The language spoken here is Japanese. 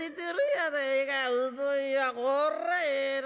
こらええな